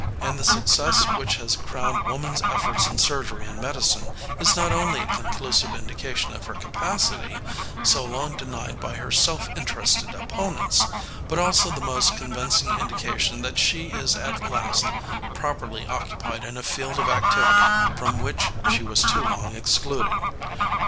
And the success which has crowned woman's efforts in surgery and medicine is not only a conclusive indication of her capacity, so long denied by her self interested opponents, but also the most convincing indication that she is at last properly occupied in a field of activity from which she was too long excluded.